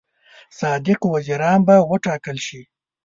صادق وزیران به وټاکل شي.